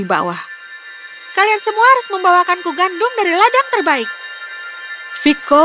sekarang saya harus mengambil tikus itu